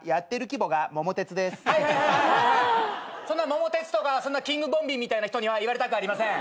『桃鉄』とかキングボンビーみたいな人には言われたくありません。